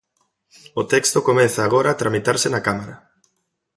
O texto comeza agora a tramitarse na Cámara.